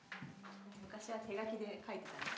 昔は手書きで書いてたんです。